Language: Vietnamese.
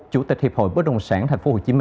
chủ tịch hiệp hội bất đồng sản tp hcm